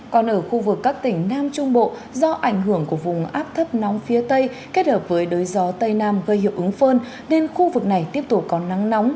còn ở khu vực các tỉnh nam trung bộ do ảnh hưởng của vùng áp thấp nóng phía tây kết hợp với đới gió tây nam gây hiệu ứng phơn nên khu vực này tiếp tục có nắng nóng